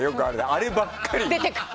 あればっかり。